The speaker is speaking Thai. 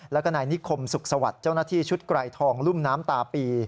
แล้วก็นายนิคมสุขสวัสดิ์เจ้าหน้าที่ชุดไกรทองรุ่มน้ำตาปี